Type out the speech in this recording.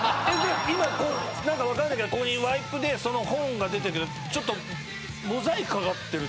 今こう何か分かんないけどここにワイプでその本が出てるけどちょっとモザイクかかってるってこと？